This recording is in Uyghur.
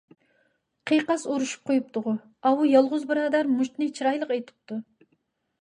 قىقاس ئۇرۇشۇپ قويۇپتۇغۇ. ئاۋۇ يالغۇز بۇرادەر مۇشتنى چىرايلىق ئېتىپتۇ.